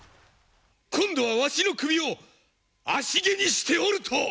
今度はわしの首を足蹴にしておると！？